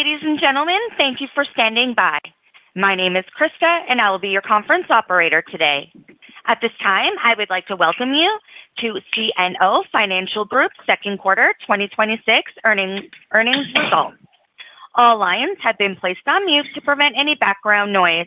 Ladies and gentlemen, thank you for standing by. My name is Krista, and I will be your conference operator today. At this time, I would like to welcome you to CNO Financial Group Second Quarter 2026 Earnings Call. All lines have been placed on mute to prevent any background noise.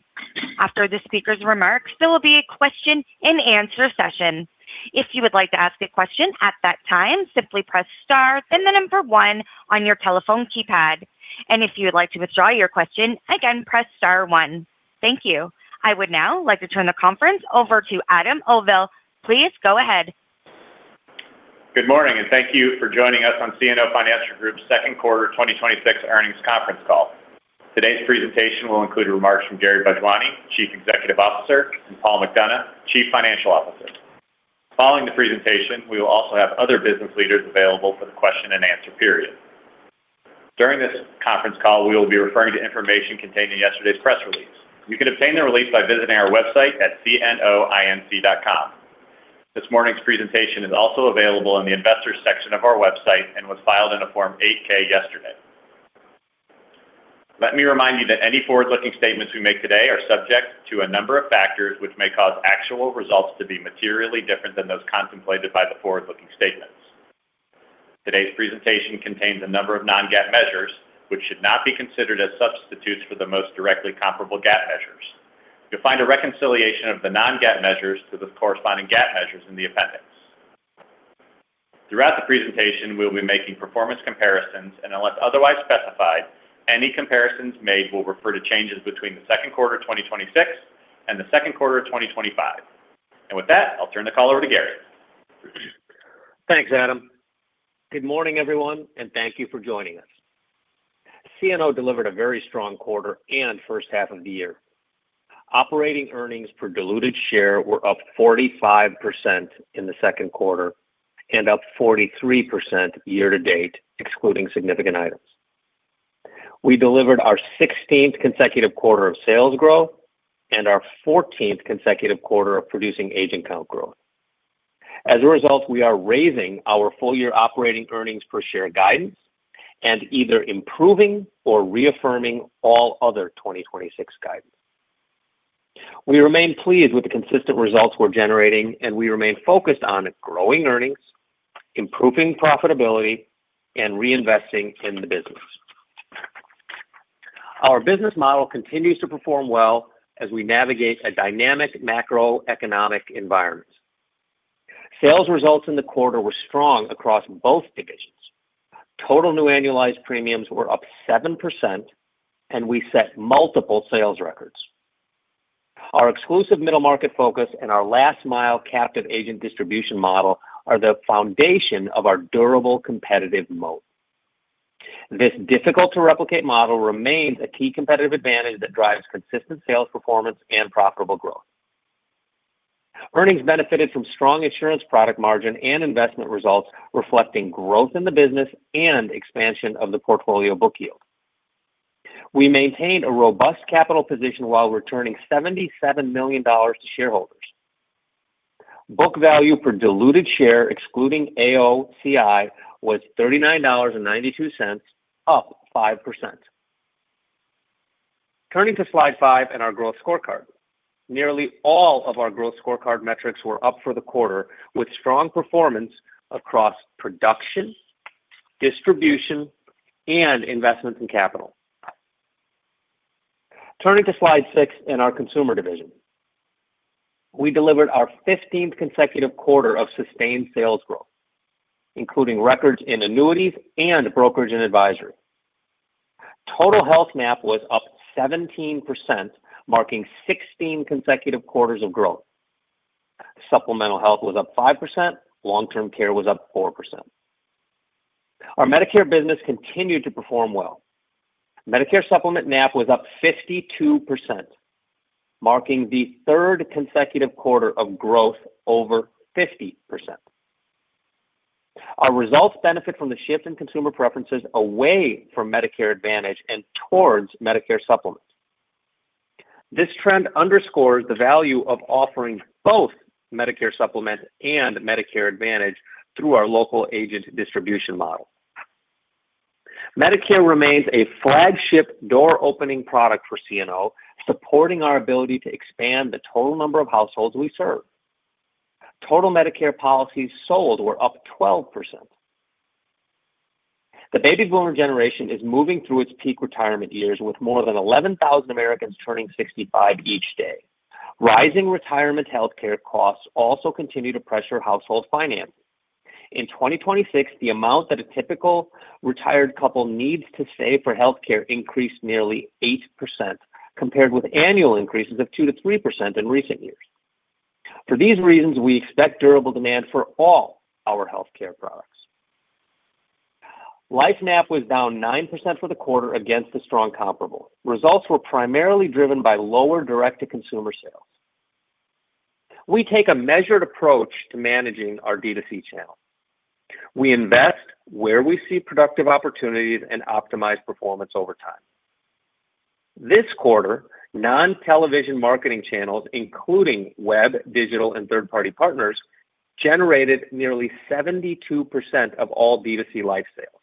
After the speaker's remarks, there will be a question and answer session. If you would like to ask a question at that time, simply press star, then the number one on your telephone keypad. If you would like to withdraw your question, again, press star one. Thank you. I would now like to turn the conference over to Adam Auvil. Please go ahead. Good morning, and thank you for joining us on CNO Financial Group's Second Quarter 2026 Earnings Conference Call. Today's presentation will include remarks from Gary Bhojwani, Chief Executive Officer, and Paul McDonough, Chief Financial Officer. Following the presentation, we will also have other business leaders available for the question and answer period. During this conference call, we will be referring to information contained in yesterday's press release. You can obtain the release by visiting our website at cnoinc.com. This morning's presentation is also available in the Investors section of our website and was filed in a Form 8-K yesterday. Let me remind you that any forward-looking statements we make today are subject to a number of factors which may cause actual results to be materially different than those contemplated by the forward-looking statements. Today's presentation contains a number of non-GAAP measures, which should not be considered as substitutes for the most directly comparable GAAP measures. You'll find a reconciliation of the non-GAAP measures to the corresponding GAAP measures in the appendix. Throughout the presentation, we'll be making performance comparisons, and unless otherwise specified, any comparisons made will refer to changes between the second quarter of 2026 and the second quarter of 2025. With that, I'll turn the call over to Gary. Thanks, Adam. Good morning, everyone, and thank you for joining us. CNO delivered a very strong quarter and first half of the year. Operating earnings per diluted share were up 45% in the second quarter and up 43% year to date, excluding significant items. We delivered our 16th consecutive quarter of sales growth and our 14th consecutive quarter of producing agent count growth. As a result, we are raising our full-year operating earnings per share guidance and either improving or reaffirming all other 2026 guidance. We remain pleased with the consistent results we're generating, and we remain focused on growing earnings, improving profitability, and reinvesting in the business. Our business model continues to perform well as we navigate a dynamic macroeconomic environment. Sales results in the quarter were strong across both divisions. Total new annualized premiums were up 7%, and we set multiple sales records. Our exclusive middle market focus and our last mile captive agent distribution model are the foundation of our durable competitive moat. This difficult-to-replicate model remains a key competitive advantage that drives consistent sales performance and profitable growth. Earnings benefited from strong insurance product margin and investment results, reflecting growth in the business and expansion of the portfolio book yield. We maintained a robust capital position while returning $77 million to shareholders. Book value per diluted share, excluding AOCI, was $39.92, up 5%. Turning to slide five and our growth scorecard. Nearly all of our growth scorecard metrics were up for the quarter, with strong performance across production, distribution, and investments in capital. Turning to slide six and our Consumer Division. We delivered our 15th consecutive quarter of sustained sales growth, including records in annuities and brokerage and advisory. Total health NAP was up 17%, marking 16 consecutive quarters of growth. Supplemental health was up 5%, long-term care was up 4%. Our Medicare business continued to perform well. Medicare Supplement NAP was up 52%, marking the third consecutive quarter of growth over 50%. Our results benefit from the shift in consumer preferences away from Medicare Advantage and towards Medicare Supplement. This trend underscores the value of offering both Medicare Supplement and Medicare Advantage through our local agent distribution model. Medicare remains a flagship door-opening product for CNO, supporting our ability to expand the total number of households we serve. Total Medicare policies sold were up 12%. The baby boomer generation is moving through its peak retirement years with more than 11,000 Americans turning 65 each day. Rising retirement healthcare costs also continue to pressure household finance. In 2026, the amount that a typical retired couple needs to save for healthcare increased nearly 8%, compared with annual increases of 2%-3% in recent years. For these reasons, we expect durable demand for all our healthcare products. Life NAP was down 9% for the quarter against a strong comparable. Results were primarily driven by lower direct-to-consumer sales. We take a measured approach to managing our D2C channel. We invest where we see productive opportunities and optimize performance over time. This quarter, non-television marketing channels, including web, digital, and third-party partners, generated nearly 72% of all D2C life sales.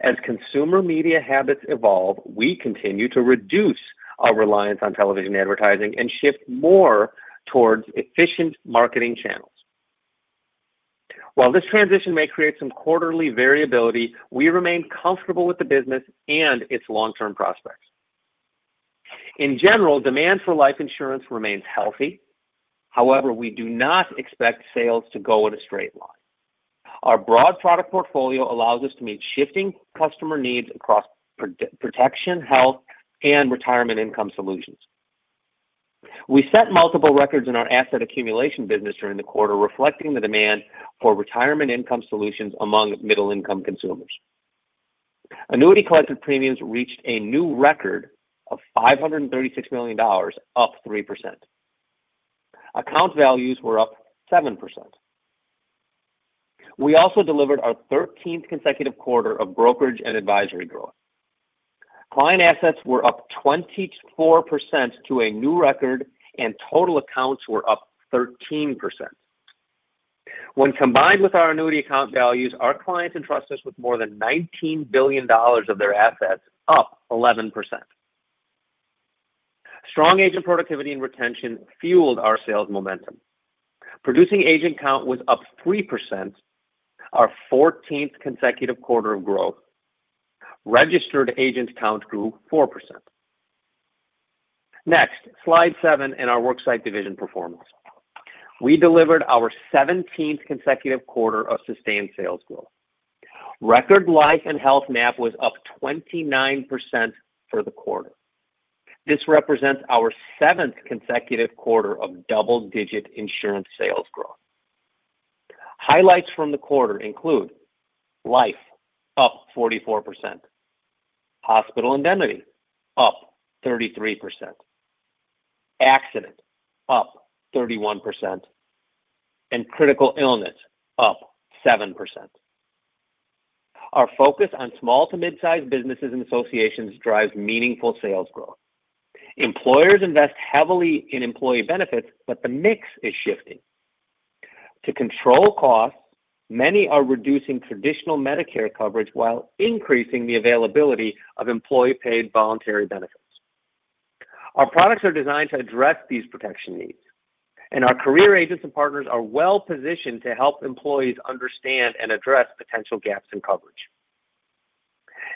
As consumer media habits evolve, we continue to reduce our reliance on television advertising and shift more towards efficient marketing channels. While this transition may create some quarterly variability, we remain comfortable with the business and its long-term prospects. In general, demand for life insurance remains healthy. Our broad product portfolio allows us to meet shifting customer needs across protection, health, and retirement income solutions. We set multiple records in our asset accumulation business during the quarter, reflecting the demand for retirement income solutions among middle-income consumers. Annuity collected premiums reached a new record of $536 million, up 3%. Account values were up 7%. We also delivered our 13th consecutive quarter of brokerage and advisory growth. Client assets were up 24% to a new record, and total accounts were up 13%. When combined with our annuity account values, our clients entrust us with more than $19 billion of their assets, up 11%. Strong agent productivity and retention fueled our sales momentum. Producing agent count was up 3%, our 14th consecutive quarter of growth. Registered agents count grew 4%. Slide seven in our Worksite Division performance. We delivered our 17th consecutive quarter of sustained sales growth. Record life and health NAP was up 29% for the quarter. This represents our seventh consecutive quarter of double-digit insurance sales growth. Highlights from the quarter include life up 44%, hospital indemnity up 33%, accident up 31%, and critical illness up 7%. Our focus on small to mid-size businesses and associations drives meaningful sales growth. Employers invest heavily in employee benefits, the mix is shifting. To control costs, many are reducing traditional Medicare coverage while increasing the availability of employee-paid voluntary benefits. Our products are designed to address these protection needs, our career agents and partners are well-positioned to help employees understand and address potential gaps in coverage.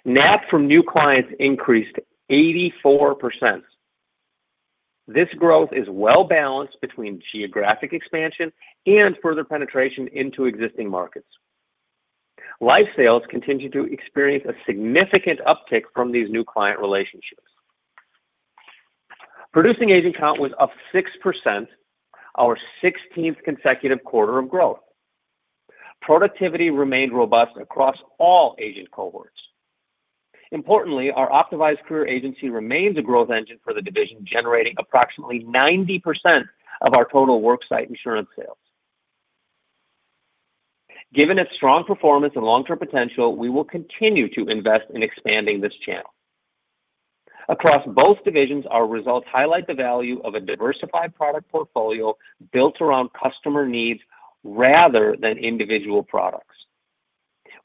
NAP from new clients increased 84%. This growth is well-balanced between geographic expansion and further penetration into existing markets. Life sales continue to experience a significant uptick from these new client relationships. Producing agent count was up 6%, our 16th consecutive quarter of growth. Productivity remained robust across all agent cohorts. Importantly, our optimized career agency remains a growth engine for the division, generating approximately 90% of our total Worksite insurance sales. Given its strong performance and long-term potential, we will continue to invest in expanding this channel. Across both divisions, our results highlight the value of a diversified product portfolio built around customer needs rather than individual products.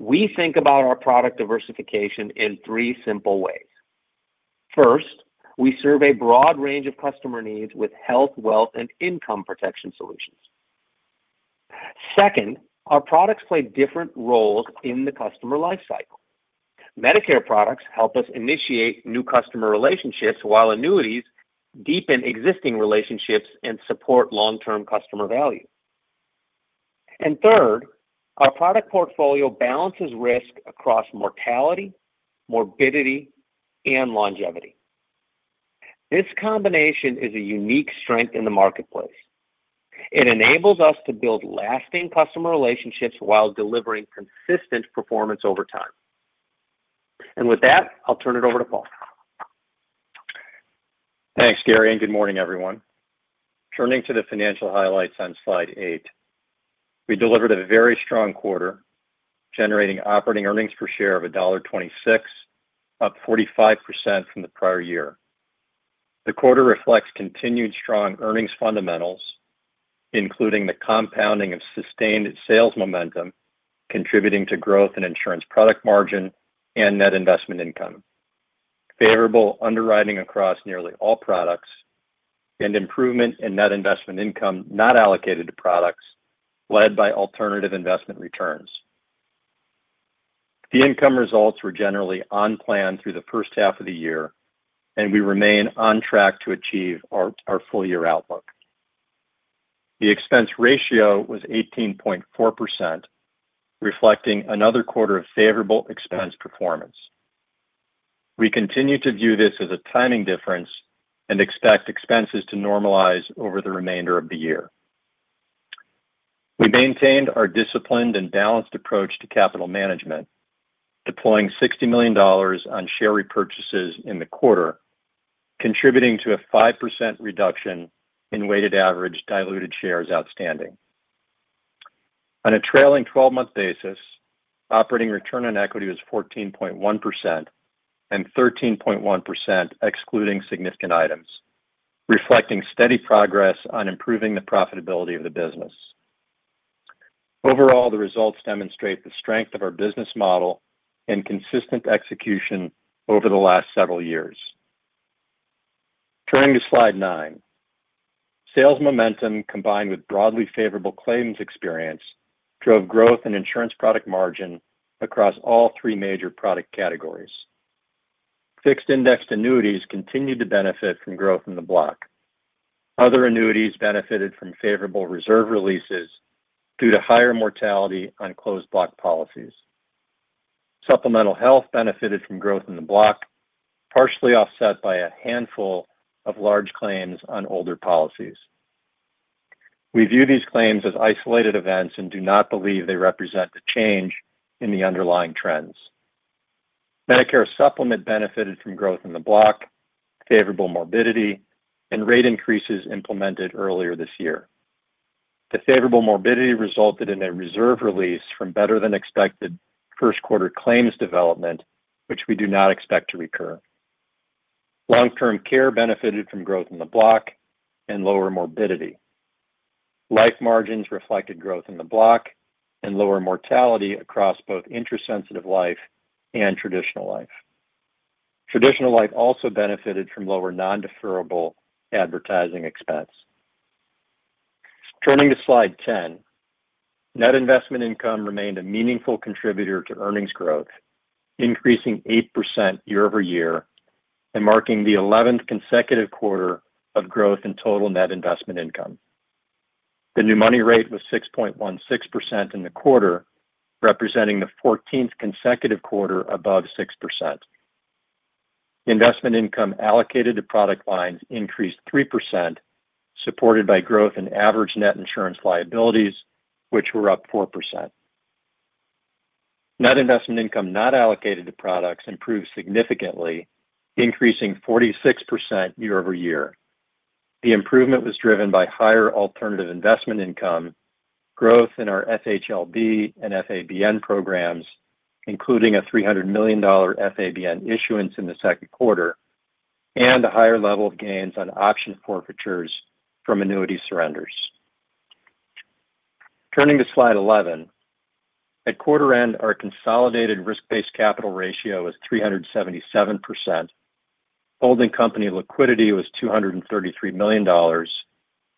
We think about our product diversification in three simple ways. First, we serve a broad range of customer needs with health, wealth, and income protection solutions. Second, our products play different roles in the customer life cycle. Medicare products help us initiate new customer relationships while annuities deepen existing relationships and support long-term customer value. Third, our product portfolio balances risk across mortality, morbidity, and longevity. This combination is a unique strength in the marketplace. It enables us to build lasting customer relationships while delivering consistent performance over time. With that, I'll turn it over to Paul. Thanks, Gary, good morning, everyone. Turning to the financial highlights on slide eight, we delivered a very strong quarter, generating operating earnings per share of $1.26, up 45% from the prior year. The quarter reflects continued strong earnings fundamentals, including the compounding of sustained sales momentum contributing to growth in insurance product margin and net investment income, favorable underwriting across nearly all products, and improvement in net investment income not allocated to products led by alternative investment returns. The income results were generally on plan through the first half of the year, we remain on track to achieve our full-year outlook. The expense ratio was 18.4%, reflecting another quarter of favorable expense performance. We continue to view this as a timing difference and expect expenses to normalize over the remainder of the year. We maintained our disciplined and balanced approach to capital management, deploying $60 million on share repurchases in the quarter, contributing to a 5% reduction in weighted average diluted shares outstanding. On a trailing 12-month basis, operating return on equity was 14.1% and 13.1% excluding significant items, reflecting steady progress on improving the profitability of the business. Overall, the results demonstrate the strength of our business model and consistent execution over the last several years. Turning to slide nine. Sales momentum, combined with broadly favorable claims experience, drove growth in insurance product margin across all three major product categories. Fixed indexed annuities continued to benefit from growth in the block. Other annuities benefited from favorable reserve releases due to higher mortality on closed block policies. Supplemental health benefited from growth in the block, partially offset by a handful of large claims on older policies. We view these claims as isolated events and do not believe they represent a change in the underlying trends. Medicare Supplement benefited from growth in the block, favorable morbidity, and rate increases implemented earlier this year. The favorable morbidity resulted in a reserve release from better than expected first quarter claims development, which we do not expect to recur. Long-term care benefited from growth in the block and lower morbidity. Life margins reflected growth in the block and lower mortality across both interest-sensitive life and traditional life. Traditional life also benefited from lower non-deferrable advertising expense. Turning to slide 10. Net investment income remained a meaningful contributor to earnings growth, increasing 8% year-over-year and marking the 11th consecutive quarter of growth in total net investment income. The new money rate was 6.16% in the quarter, representing the 14th consecutive quarter above 6%. Investment income allocated to product lines increased 3%, supported by growth in average net insurance liabilities, which were up 4%. Net investment income not allocated to products improved significantly, increasing 46% year-over-year. The improvement was driven by higher alternative investment income, growth in our FHLB and FABN programs, including a $300 million FABN issuance in the second quarter, and a higher level of gains on option forfeitures from annuity surrenders. Turning to slide 11. At quarter end, our consolidated risk-based capital ratio was 377%. Holding company liquidity was $233 million,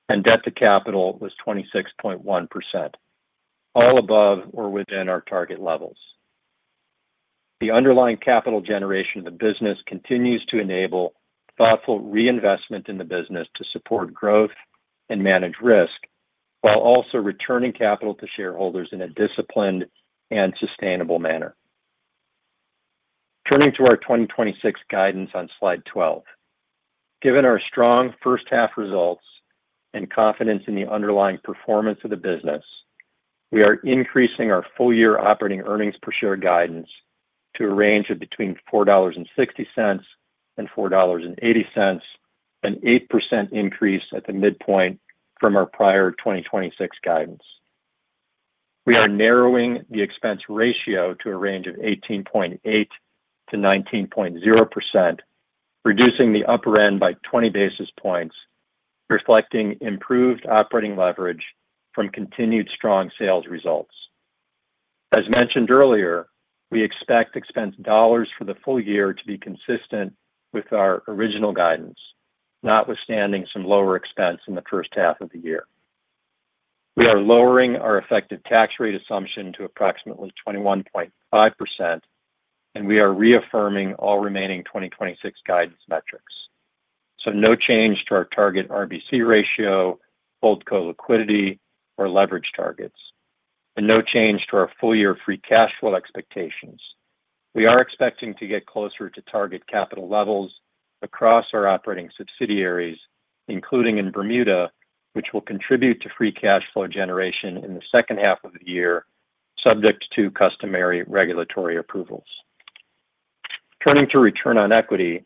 and debt to capital was 26.1%, all above or within our target levels. The underlying capital generation of the business continues to enable thoughtful reinvestment in the business to support growth and manage risk while also returning capital to shareholders in a disciplined and sustainable manner. Turning to our 2026 guidance on slide 12. Given our strong first half results and confidence in the underlying performance of the business, we are increasing our full year operating earnings per share guidance to a range of between $4.60 and $4.80, an 8% increase at the midpoint from our prior 2026 guidance. We are narrowing the expense ratio to a range of 18.8%-19.0%, reducing the upper end by 20 basis points, reflecting improved operating leverage from continued strong sales results. As mentioned earlier, we expect expense dollars for the full year to be consistent with our original guidance, notwithstanding some lower expense in the first half of the year. We are lowering our effective tax rate assumption to approximately 21.5%, and we are reaffirming all remaining 2026 guidance metrics. No change to our target RBC ratio, holding company liquidity, or leverage targets. No change to our full year free cash flow expectations. We are expecting to get closer to target capital levels across our operating subsidiaries, including in Bermuda, which will contribute to free cash flow generation in the second half of the year, subject to customary regulatory approvals. Turning to return on equity.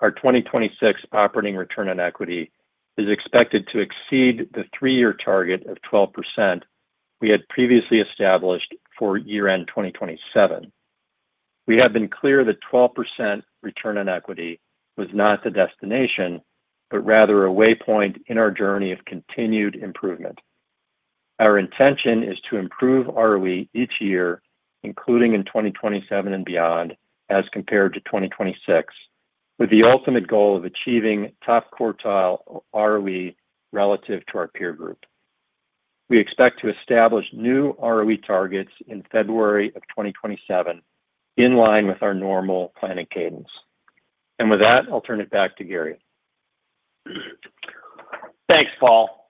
Our 2026 operating return on equity is expected to exceed the three-year target of 12% we had previously established for year-end 2027. We have been clear that 12% return on equity was not the destination, but rather a way point in our journey of continued improvement. Our intention is to improve ROE each year, including in 2027 and beyond, as compared to 2026, with the ultimate goal of achieving top quartile ROE relative to our peer group. We expect to establish new ROE targets in February of 2027, in line with our normal planning cadence. With that, I'll turn it back to Gary. Thanks, Paul.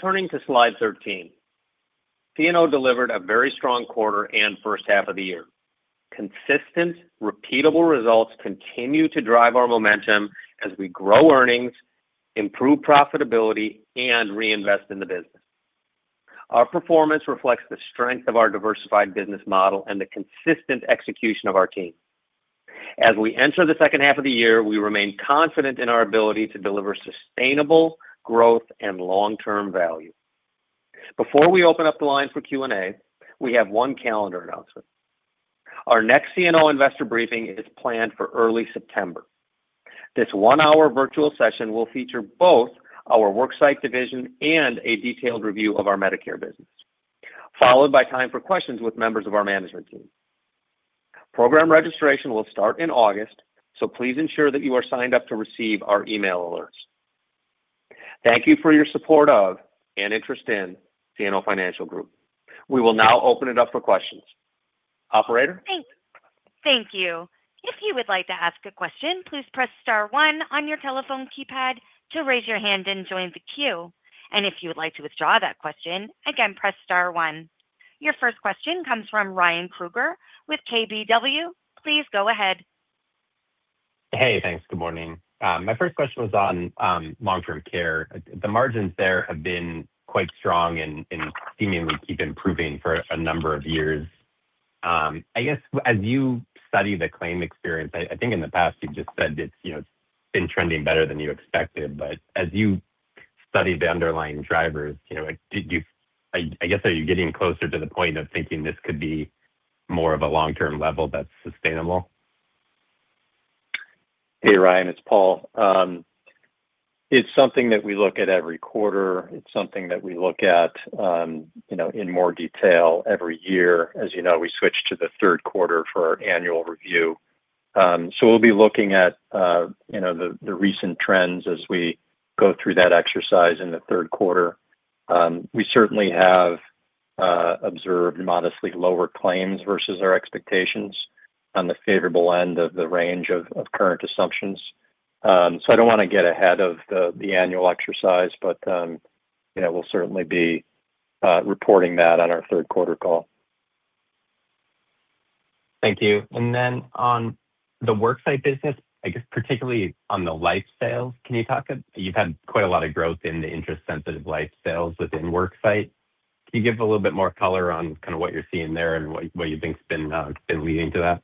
Turning to slide 13. CNO delivered a very strong quarter and first half of the year. Consistent, repeatable results continue to drive our momentum as we grow earnings, improve profitability, and reinvest in the business. Our performance reflects the strength of our diversified business model and the consistent execution of our team. As we enter the second half of the year, we remain confident in our ability to deliver sustainable growth and long-term value. Before we open up the line for Q&A, we have one calendar announcement. Our next CNO investor briefing is planned for early September. This one-hour virtual session will feature both our Worksite Division and a detailed review of our Medicare business, followed by time for questions with members of our management team. Program registration will start in August, so please ensure that you are signed up to receive our email alerts. Thank you for your support of and interest in CNO Financial Group. We will now open it up for questions. Operator? Thank you. If you would like to ask a question, please press star one on your telephone keypad to raise your hand and join the queue. If you would like to withdraw that question, again, press star one. Your first question comes from Ryan Krueger with KBW. Please go ahead. Hey, thanks. Good morning. My first question was on long-term care. The margins there have been quite strong and seemingly keep improving for a number of years. I guess, as you study the claim experience, I think in the past you've just said it's been trending better than you expected. As you study the underlying drivers, I guess, are you getting closer to the point of thinking this could be more of a long-term level that's sustainable? Hey, Ryan, it's Paul. It's something that we look at every quarter. It's something that we look at in more detail every year. As you know, we switch to the third quarter for our annual review. We'll be looking at the recent trends as we go through that exercise in the third quarter. We certainly have observed modestly lower claims versus our expectations on the favorable end of the range of current assumptions. I don't want to get ahead of the annual exercise, but we'll certainly be reporting that on our third quarter call. Thank you. On the Worksite business, I guess particularly on the life sales, you've had quite a lot of growth in the interest-sensitive life sales within Worksite. Can you give a little bit more color on kind of what you're seeing there and what you think has been leading to that?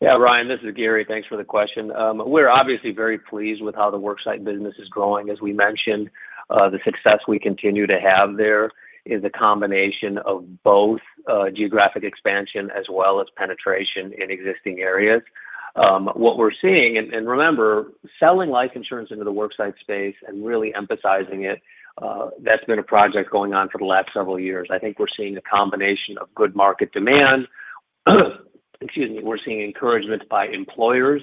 Yeah, Ryan, this is Gary. Thanks for the question. We're obviously very pleased with how the Worksite business is growing. As we mentioned, the success we continue to have there is a combination of both geographic expansion as well as penetration in existing areas. What we're seeing, and remember, selling life insurance into the Worksite space and really emphasizing it, that's been a project going on for the last several years. I think we're seeing a combination of good market demand, excuse me. We're seeing encouragement by employers,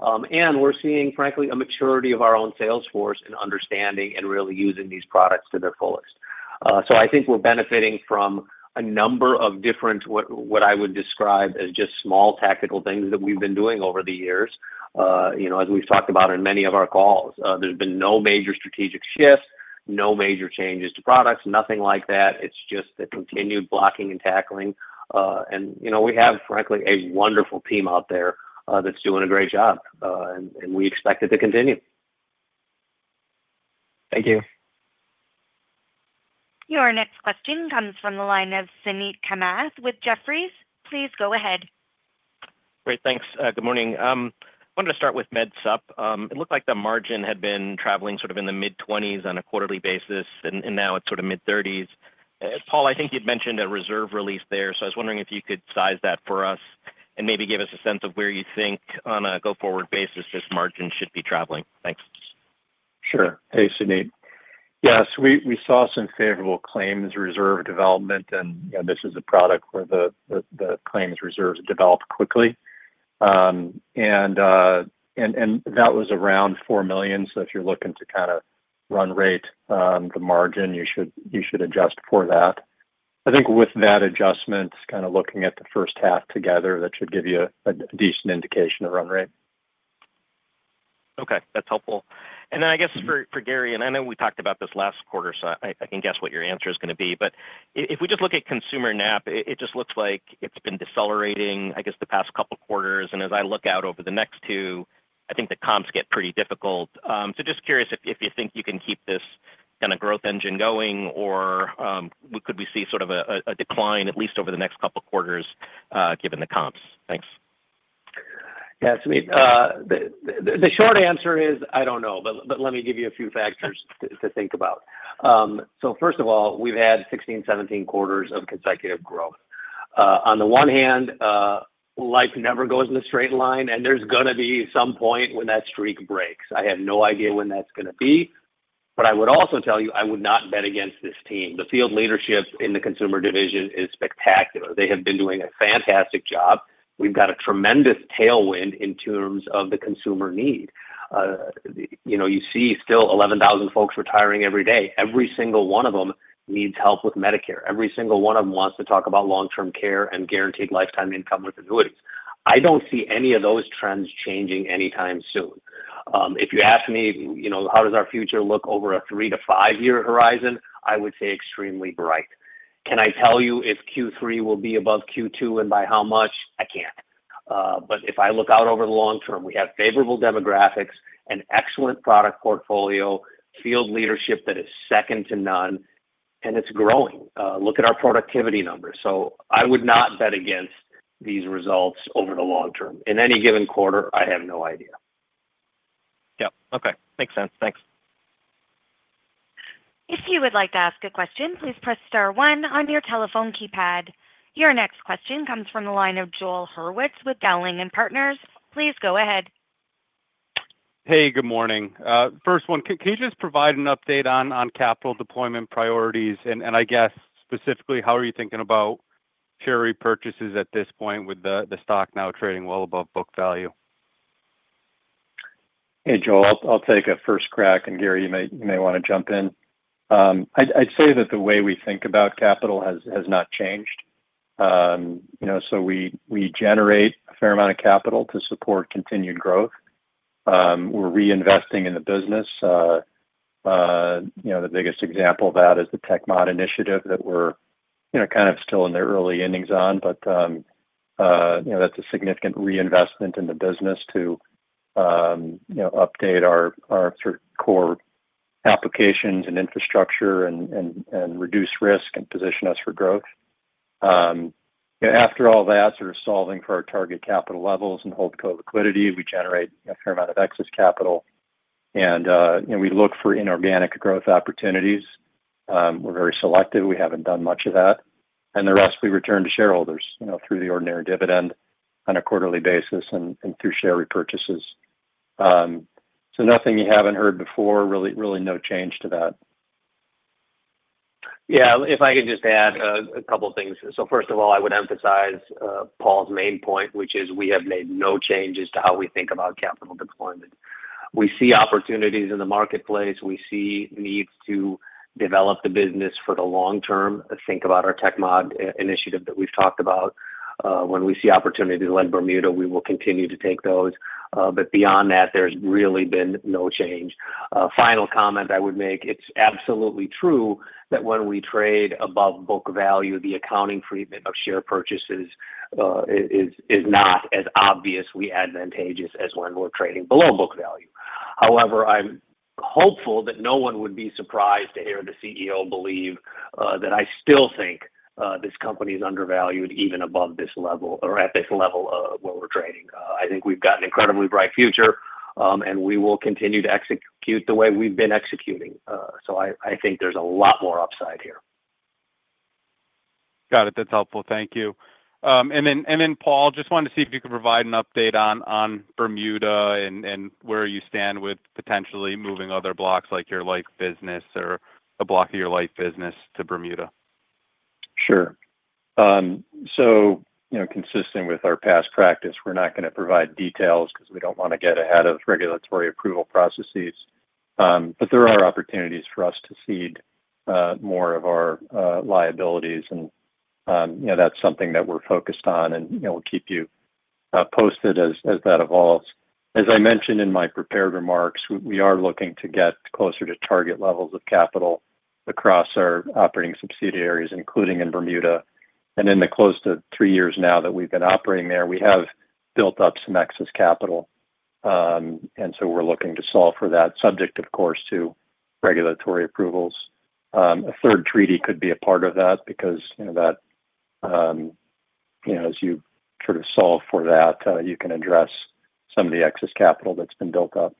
and we're seeing, frankly, a maturity of our own sales force in understanding and really using these products to their fullest. I think we're benefiting from a number of different what I would describe as just small tactical things that we've been doing over the years. As we've talked about in many of our calls, there's been no major strategic shift, no major changes to products, nothing like that. It's just the continued blocking and tackling. We have, frankly, a wonderful team out there that's doing a great job, and we expect it to continue. Thank you. Your next question comes from the line of Suneet Kamath with Jefferies. Please go ahead. Great. Thanks. Good morning. I wanted to start with Medicare Supplement. It looked like the margin had been traveling sort of in the mid-20s on a quarterly basis. Now it's sort of mid-30s. Paul, I think you'd mentioned a reserve release there, so I was wondering if you could size that for us and maybe give us a sense of where you think on a go-forward basis this margin should be traveling. Thanks. Sure. Hey, Suneet. Yes, we saw some favorable claims reserve development, and this is a product where the claims reserves develop quickly. That was around $4 million. If you're looking to kind of run rate the margin, you should adjust for that. I think with that adjustment, kind of looking at the first half together, that should give you a decent indication of run rate. Okay. That's helpful. I guess for Gary, I know we talked about this last quarter, I can guess what your answer is going to be. If we just look at Consumer NAP, it just looks like it's been decelerating, I guess, the past couple of quarters. As I look out over the next two, I think the comps get pretty difficult. Just curious if you think you can keep this kind of growth engine going, or could we see sort of a decline at least over the next couple of quarters given the comps? Thanks. The short answer is I don't know, but let me give you a few factors to think about. First of all, we've had 16, 17 quarters of consecutive growth. On the one hand, life never goes in a straight line, there's going to be some point when that streak breaks. I have no idea when that's going to be. I would also tell you I would not bet against this team. The field leadership in the Consumer Division is spectacular. They have been doing a fantastic job. We've got a tremendous tailwind in terms of the consumer need. You see still 11,000 folks retiring every day. Every single one of them needs help with Medicare. Every single one of them wants to talk about long-term care and guaranteed lifetime income with annuities. I don't see any of those trends changing anytime soon. If you ask me how does our future look over a three to five-year horizon, I would say extremely bright. Can I tell you if Q3 will be above Q2 and by how much? I can't. If I look out over the long term, we have favorable demographics, an excellent product portfolio, field leadership that is second to none It's growing. Look at our productivity numbers. I would not bet against these results over the long term. In any given quarter, I have no idea. Yep. Okay. Makes sense. Thanks. If you would like to ask a question, please press star one on your telephone keypad. Your next question comes from the line of Joel Hurwitz with Dowling & Partners. Please go ahead. Hey, good morning. First one, can you just provide an update on capital deployment priorities and, I guess specifically, how are you thinking about share repurchases at this point with the stock now trading well above book value? Hey, Joel. I'll take a first crack, and Gary, you may want to jump in. I'd say that the way we think about capital has not changed. We generate a fair amount of capital to support continued growth. We're reinvesting in the business. The biggest example of that is the TechMod initiative that we're kind of still in the early innings on, but that's a significant reinvestment in the business to update our core applications and infrastructure and reduce risk and position us for growth. After all that sort of solving for our target capital levels and holding company liquidity, we generate a fair amount of excess capital and we look for inorganic growth opportunities. We're very selective. We haven't done much of that. The rest we return to shareholders through the ordinary dividend on a quarterly basis and through share repurchases. Nothing you haven't heard before, really no change to that. Yeah. If I could just add a couple of things. First of all, I would emphasize Paul's main point, which is we have made no changes to how we think about capital deployment. We see opportunities in the marketplace. We see needs to develop the business for the long term. Think about our TechMod initiative that we've talked about. When we see opportunities to lend Bermuda, we will continue to take those. Beyond that, there's really been no change. A final comment I would make, it's absolutely true that when we trade above book value, the accounting treatment of share purchases is not as obviously advantageous as when we're trading below book value. However, I'm hopeful that no one would be surprised to hear the CEO believe that I still think this company is undervalued even above this level or at this level of where we're trading. I think we've got an incredibly bright future, and we will continue to execute the way we've been executing. I think there's a lot more upside here. Got it. That's helpful. Thank you. Paul, just wanted to see if you could provide an update on Bermuda and where you stand with potentially moving other blocks like your life business or a block of your life business to Bermuda. Sure. Consistent with our past practice, we're not going to provide details because we don't want to get ahead of regulatory approval processes. There are opportunities for us to cede more of our liabilities and that's something that we're focused on, and we'll keep you posted as that evolves. As I mentioned in my prepared remarks, we are looking to get closer to target levels of capital across our operating subsidiaries, including in Bermuda. In the close to three years now that we've been operating there, we have built up some excess capital. We're looking to solve for that subject, of course, to regulatory approvals. A third treaty could be a part of that because that as you sort of solve for that, you can address some of the excess capital that's been built up.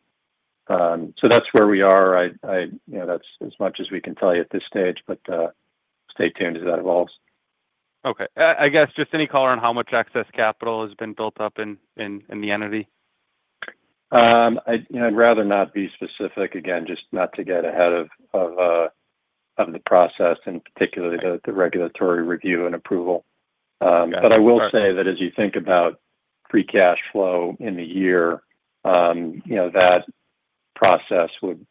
That's where we are. That's as much as we can tell you at this stage, but stay tuned as that evolves. Okay. I guess just any color on how much excess capital has been built up in the entity? I'd rather not be specific again, just not to get ahead of the process and particularly the regulatory review and approval. I will say that as you think about free cash flow in the year, that process would,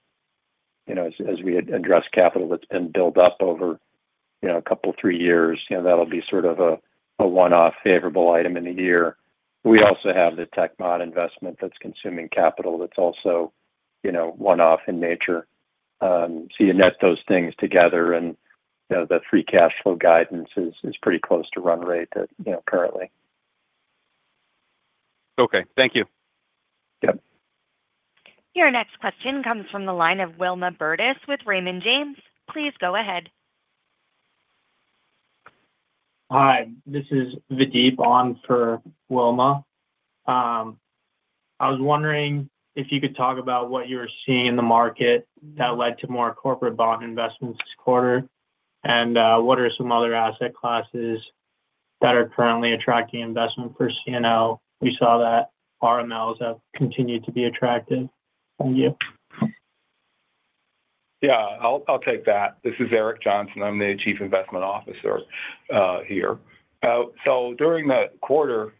as we address capital that's been built up over a couple, three years, that'll be sort of a one-off favorable item in the year. We also have the TechMod investment that's consuming capital that's also one-off in nature. You net those things together and the free cash flow guidance is pretty close to run rate currently. Okay. Thank you. Yep. Your next question comes from the line of Wilma Burdis with Raymond James. Please go ahead. Hi. This is Pradeep on for Wilma. I was wondering if you could talk about what you were seeing in the market that led to more corporate bond investments this quarter, and what are some other asset classes that are currently attracting investment for CNO? We saw that RMLs have continued to be attractive from you. Yeah, I'll take that. This is Eric Johnson. I'm the Chief Investment Officer here. During the quarter,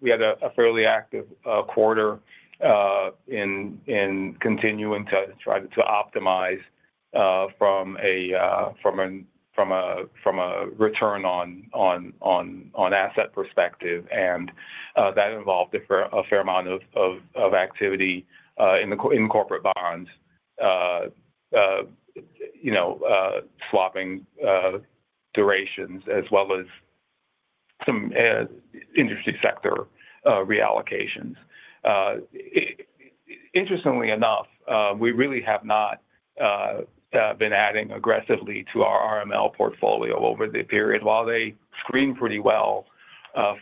we had a fairly active quarter in continuing to try to optimize from a return on asset perspective. That involved a fair amount of activity in corporate bonds, swapping durations as well as some industry sector reallocations. Interestingly enough, we really have not been adding aggressively to our RML portfolio over the period. While they screen pretty well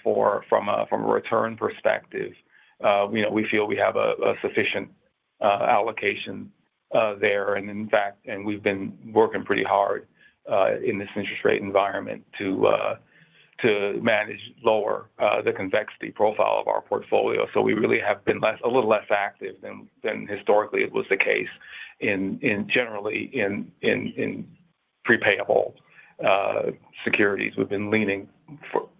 from a return perspective, we feel we have a sufficient allocation there. We've been working pretty hard in this interest rate environment to manage lower the convexity profile of our portfolio. We really have been a little less active than historically it was the case in, generally, in prepaid securities. We've been leaning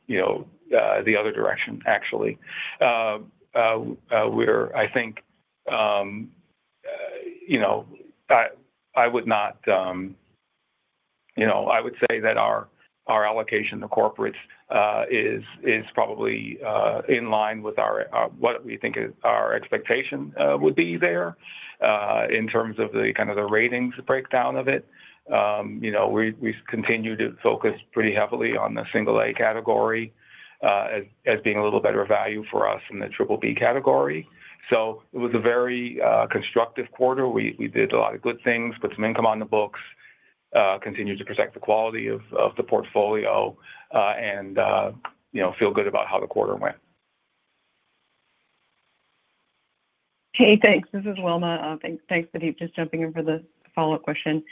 the other direction, actually. I would say that our allocation to corporates is probably in line with what we think our expectation would be there in terms of the ratings breakdown of it. We continue to focus pretty heavily on the single-A category as being a little better value for us than the triple B category. It was a very constructive quarter. We did a lot of good things, put some income on the books, continued to protect the quality of the portfolio, and feel good about how the quarter went. Hey, thanks. This is Wilma. Thanks, Pradeep. Just jumping in for the follow-up question.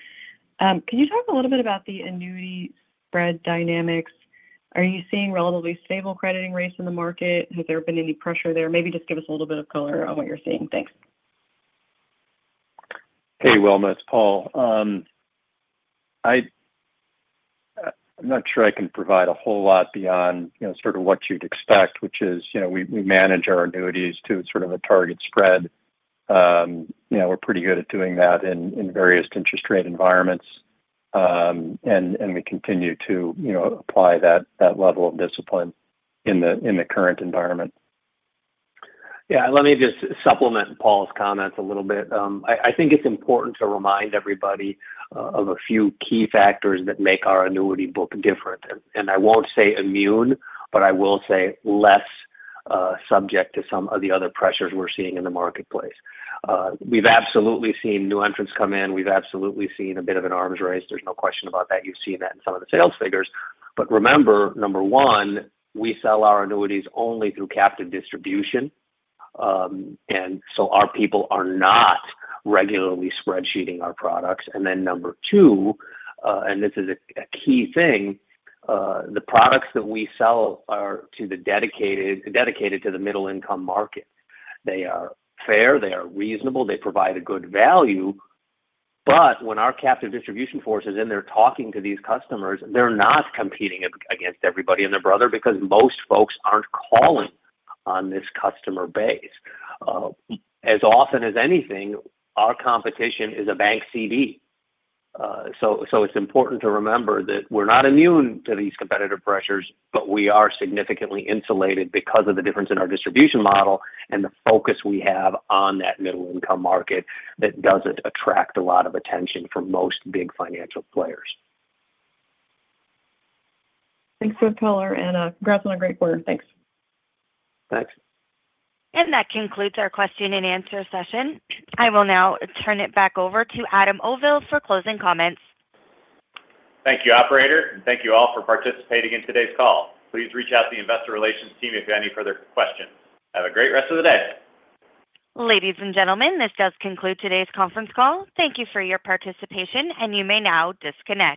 Can you talk a little bit about the annuity spread dynamics? Are you seeing relatively stable crediting rates in the market? Has there been any pressure there? Maybe just give us a little bit of color on what you're seeing. Thanks. Hey, Wilma. It's Paul. I'm not sure I can provide a whole lot beyond what you'd expect, which is we manage our annuities to a target spread. We're pretty good at doing that in various interest rate environments. We continue to apply that level of discipline in the current environment. Yeah, let me just supplement Paul's comments a little bit. I think it's important to remind everybody of a few key factors that make our annuity book different. I won't say immune, but I will say less subject to some of the other pressures we're seeing in the marketplace. We've absolutely seen new entrants come in. We've absolutely seen a bit of an arms race. There's no question about that. You've seen that in some of the sales figures. Remember, number one, we sell our annuities only through captive distribution. Our people are not regularly spreadsheeting our products. Then number two, and this is a key thing, the products that we sell are dedicated to the middle-income market. They are fair, they are reasonable, they provide a good value. When our captive distribution force is in there talking to these customers, they're not competing against everybody and their brother because most folks aren't calling on this customer base. As often as anything, our competition is a bank CD. It's important to remember that we're not immune to these competitive pressures, but we are significantly insulated because of the difference in our distribution model and the focus we have on that middle-income market that doesn't attract a lot of attention for most big financial players. Thanks for the color, congrats on a great quarter. Thanks. Thanks. That concludes our question and answer session. I will now turn it back over to Adam Auvil for closing comments. Thank you, operator, and thank you all for participating in today's call. Please reach out to the investor relations team if you have any further questions. Have a great rest of the day. Ladies and gentlemen, this does conclude today's conference call. Thank you for your participation, and you may now disconnect.